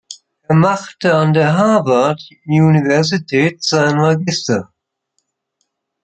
Er machte an der Harvard-Universität seinen Magister.